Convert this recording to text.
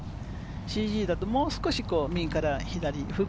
ＣＧだともう少し右から左。